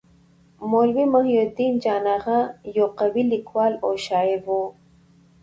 مولوي محی الدين جان اغا يو قوي لیکوال او شاعر وو.